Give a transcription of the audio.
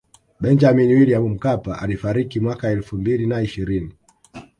Benjamini Williamu Mkapa alifariki mwaka elfu mbili na ishirini